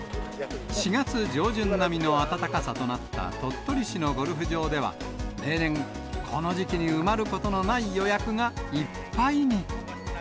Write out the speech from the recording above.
４月上旬並みの暖かさとなった鳥取市のゴルフ場では、例年、この時期に埋まることのない予約がいっぱいに。